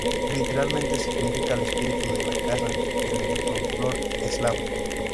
Literalmente significa el espíritu "de la casa" en el folclore eslavo.